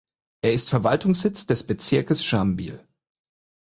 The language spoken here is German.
Er ist Verwaltungssitz des Bezirkes Schambyl.